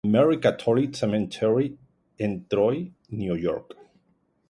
Mary's Catholic Cemetery en Troy, Nueva York.